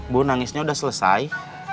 bu nangisnya udah selesai